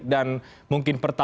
dan mungkin pertalat